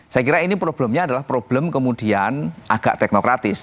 saya kira ini problemnya adalah problem kemudian agak teknokratis